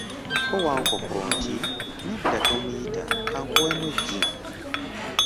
Kko Wankoko nti, "nedda tomuyita kankuweemu eggi."